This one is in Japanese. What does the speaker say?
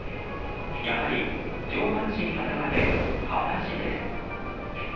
やはり、上半身裸で裸足です。